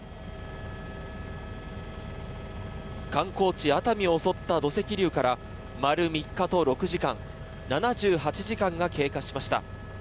観光地・熱海を襲った土石流から丸３日と６時間７８時間が経過しました。